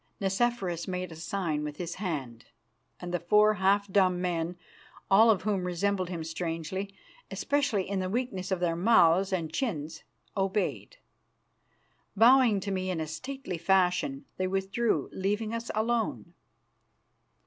Nicephorus made a sign with his hand, and the four half dumb men, all of whom resembled him strangely, especially in the weakness of their mouths and chins, obeyed. Bowing to me in a stately fashion, they withdrew, leaving us alone.